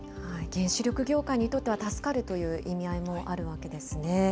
原子力業界にとっては助かるという意味合いもあるわけですね。